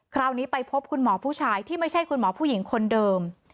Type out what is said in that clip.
คราวนี้ไปพบคุณหมอผู้ชายที่ไม่ใช่คุณหมอผู้หญิงคนเดิม